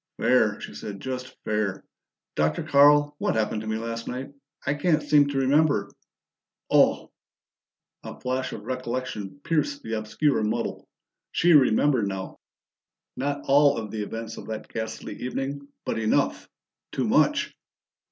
"Fair," she said. "Just fair. Dr. Carl, what happened to me last night? I can't seem to remember Oh!" A flash of recollection pierced the obscure muddle. She remembered now not all of the events of that ghastly evening, but enough. Too much!